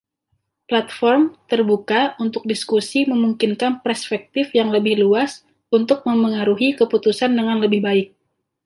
Platform terbuka untuk diskusi memungkinkan perspektif yang lebih luas untuk memengaruhi keputusan dengan lebih baik.